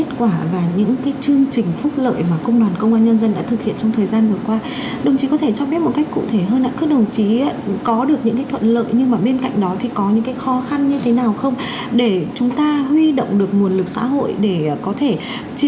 các chương trình mái ấm công đoàn con nuôi công đoàn tặng thẻ bảo hiểm y tế học bồng cho người lao động cũng được duy trì